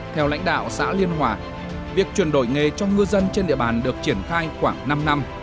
theo lãnh đạo xã liên hòa việc chuyển đổi nghề cho ngư dân trên địa bàn được triển khai khoảng năm năm